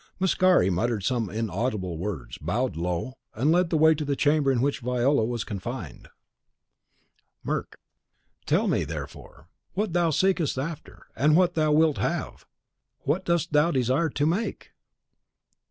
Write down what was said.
Mascari muttered some inaudible words, bowed low, and led the way to the chamber in which Viola was confined. CHAPTER 3.XVIII. Merc: Tell me, therefore, what thou seekest after, and what thou wilt have. What dost thou desire to make?